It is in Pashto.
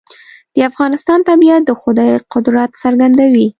د افغانستان طبیعت د خدای قدرت څرګندوي.